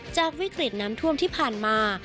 จากวิกฤตน้ำท่วมที่ผ่านมา